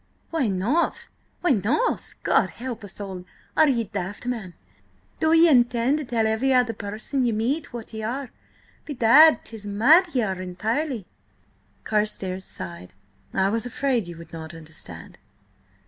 "Why not? Why not? God help us all! are ye daft, man? Do ye intend to tell every other person ye meet what ye are? Bedad, 'tis mad ye are entirely!" Carstares sighed. "I was afraid you would not understand."